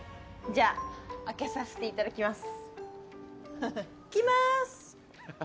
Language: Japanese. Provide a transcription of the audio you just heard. じゃあ、あけさせていただきます。